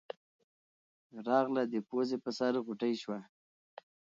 راغله د پوزې پۀ سر غوټۍ شوه